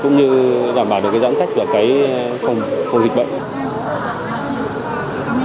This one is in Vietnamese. giãn cách của cái phòng dịch bệnh